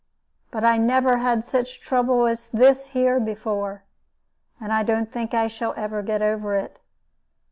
But I never had such trouble as this here before, and I don't think I ever shall get over it.